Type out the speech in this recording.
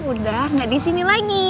udah gak disini lagi